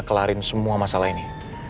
kelarin semua masalah ini